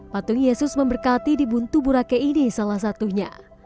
patung yesus memberkati di buntu burake ini salah satunya